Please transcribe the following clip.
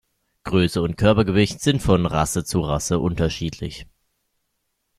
Größe und Körpergewicht sind von Rasse zu Rasse unterschiedlich.